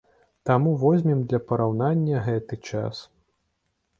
Таму возьмем для параўнання гэты час.